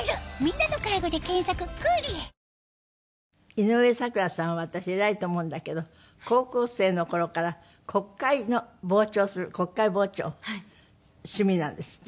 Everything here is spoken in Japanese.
井上咲楽さんは私偉いと思うんだけど高校生の頃から国会の傍聴をする国会傍聴趣味なんですって？